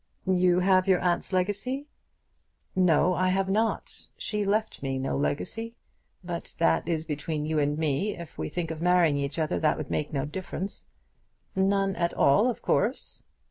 "You have your aunt's legacy?" "No; I have not. She left me no legacy. But as that is between you and me, if we think of marrying each other, that would make no difference." "None at all, of course."